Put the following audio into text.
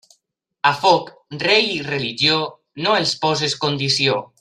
A foc, rei i religió, no els poses condició.